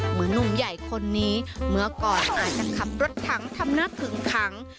หนุ่มใหญ่คนนี้เมื่อก่อนอาจจะขับรถถังทำหน้าผึงขัง